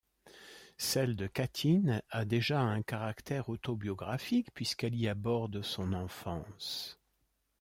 Celle de Katin a déjà un caractère autobiographique puisqu'elle y aborde son enfance.